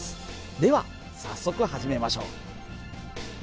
では早速始めましょう。